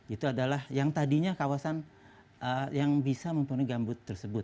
itu adalah yang tadinya kawasan yang bisa mempunyai gambut tersebut